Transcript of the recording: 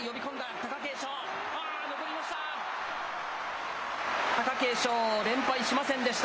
貴景勝、連敗しませんでした。